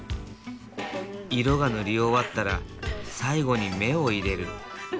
色が塗り終わったら最後に目を入れる。